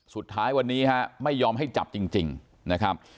สุดท้ายวันนี้ฮะไม่ยอมให้จับจริงนะครับ